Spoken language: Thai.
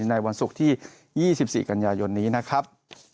ในวันศุกร์ที่๒๔กันยายนนี้นะครับ